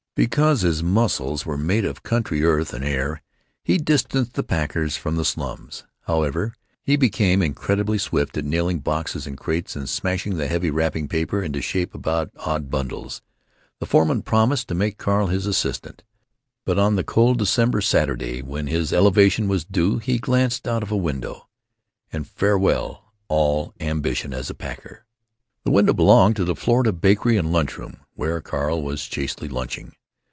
Because his muscles were made of country earth and air he distanced the packers from the slums, however. He became incredibly swift at nailing boxes and crates and smashing the heavy wrapping paper into shape about odd bundles. The foreman promised to make Carl his assistant. But on the cold December Saturday when his elevation was due he glanced out of a window, and farewell all ambition as a packer. The window belonged to the Florida Bakery and Lunch Room, where Carl was chastely lunching.